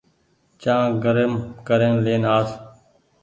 چآن گرم ڪرين لين آس